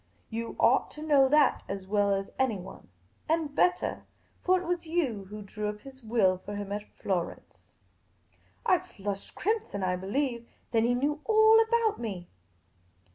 You ought to know that as well as anyone — and bettah ; for it was you who drew up his will for him at Florence." I flushed crimson, I believe. Then he knew all about me